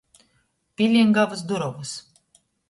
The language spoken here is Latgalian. Pilingavys durovys.